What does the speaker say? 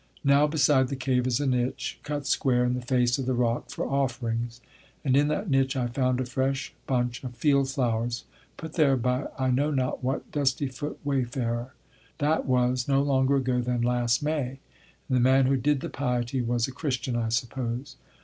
Now, beside the cave is a niche, cut square in the face of the rock, for offerings; and in that niche I found a fresh bunch of field flowers, put there by I know not what dusty foot wayfarer. That was no longer ago than last May, and the man who did the piety was a Christian, I suppose.